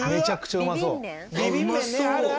うまそう。